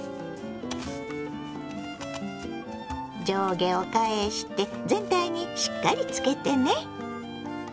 上下を返して全体にしっかりつけてね。